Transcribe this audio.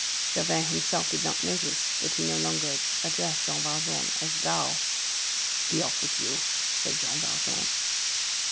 Javert himself did not notice that he no longer addressed Jean Valjean as "thou." "Be off with you," said Jean Valjean.